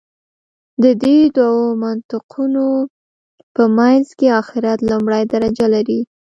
د دې دوو منطقونو په منځ کې آخرت لومړۍ درجه لري.